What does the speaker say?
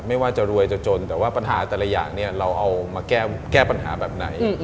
ไม่ว่าจะรวยจะจนแต่ว่าปัญหาแต่ละอย่างเนี่ยเราเอามาแก้ปัญหาแบบไหน